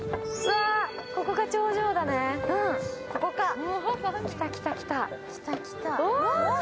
ここかぁ。